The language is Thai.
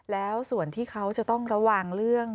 แล้วส่วนที่เขาจะต้องระวังเรื่อง